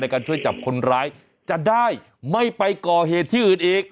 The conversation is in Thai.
การช่วยจับคนร้ายจะได้ไม่ไปก่อเหตุที่อื่นอีก